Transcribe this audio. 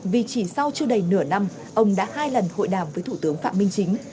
vì chỉ sau chưa đầy nửa năm ông đã hai lần hội đàm với thủ tướng phạm minh chính